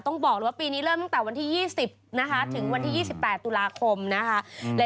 ต้องบอกเลยว่าปีนี้เริ่มตั้งแต่วันที่๒๐นะคะถึงวันที่๒๘ตุลาคมนะคะ